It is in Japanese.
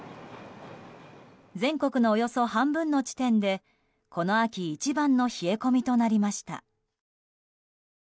全国のおよそ半分の地点でこの秋一番の冷え込みとなりました。